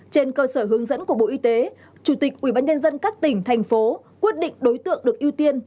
trên cơ sở hướng dẫn của bộ y tế chủ tịch ubnd các tỉnh thành phố quyết định đối tượng được ưu tiên